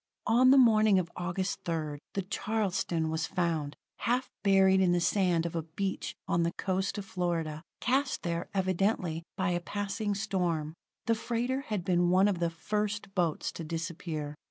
On the morning of August 3rd, the Charleston was found, half buried in the sand of a beach on the coast of Florida, cast there, evidently, by a passing storm. The freighter had been one of the first boats to disappear.